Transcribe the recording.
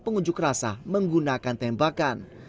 pengunjuk rasa menggunakan tembakan